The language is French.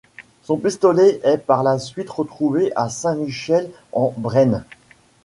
Son pistolet est par la suite retrouvé à Saint-Michel-en-Brenne.